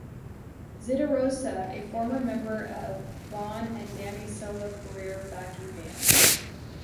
Zitarosa, a former member of Vaughn and Danny's solo career backing band.